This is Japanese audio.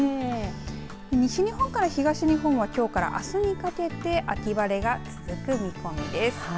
西日本から東日本はきょうからあすにかけて秋晴れが続く見込みです。